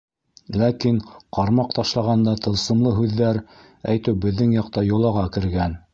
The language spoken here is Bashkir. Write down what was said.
Ләкин ҡармаҡ ташлағанда тылсымлы һүҙҙәр әйтеү беҙҙең яҡта йолаға кергән.